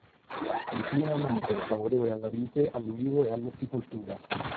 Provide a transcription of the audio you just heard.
Il clima è mite, favorevole alla vite, all'ulivo e all'orticoltura.